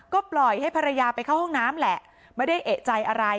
ก็ปล่อยให้ภรรยาไปเข้าห้องน้ำแหละไม่ได้เอกใจอะไร